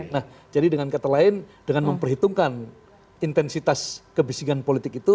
nah jadi dengan kata lain dengan memperhitungkan intensitas kebisingan politik itu